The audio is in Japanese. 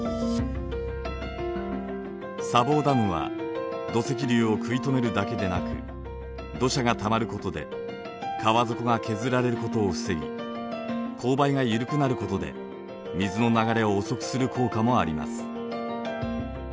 砂防ダムは土石流を食い止めるだけでなく土砂がたまることで川底が削られることを防ぎ勾配が緩くなることで水の流れを遅くする効果もあります。